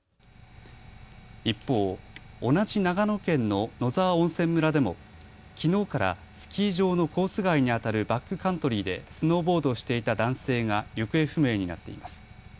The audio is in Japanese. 一方、同じ長野県の野沢温泉村でもきのうからスキー場のコース外にあたるバックカントリーでスノーボードをしていた男性が行方不明になっています。